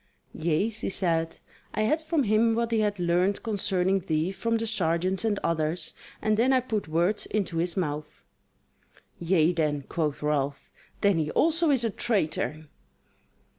"Yea," she said, "I had from him what he had learned concerning thee from the sergeants and others, and then I put words into his mouth." "Yea then," quoth Ralph, "then he also is a traitor!"